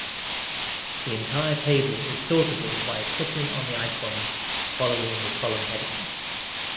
The entire table is sortable by clicking on the icons following the column headings.